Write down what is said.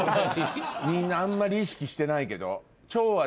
みんなあんまり意識してないけど。